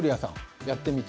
やってみて。